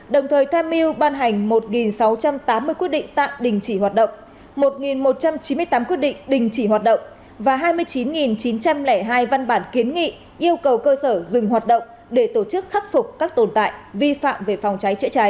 đồng thời tham mưu ban hành một sáu trăm tám mươi quyết định tạm đình chỉ hoạt động một một trăm chín mươi tám quyết định đình chỉ hoạt động và hai mươi chín chín trăm linh hai văn bản kiến nghị yêu cầu cơ sở dừng hoạt động để tổ chức khắc phục các tồn tại vi phạm về phòng cháy chữa cháy